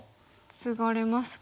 ツガれますか。